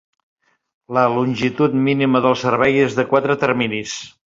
La longitud mínima del servei és de quatre terminis.